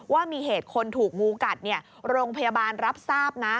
ว่ามีเหตุคนถูกงูกัดโรงพยาบาลรับทราบนะ